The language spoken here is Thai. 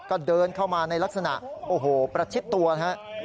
ก็เดินเข้ามาในลักษณะโอ้โหประชิดตัวนะฮะ